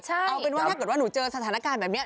เอาเป็นว่าถ้าเกิดว่าหนูเจอสถานการณ์แบบนี้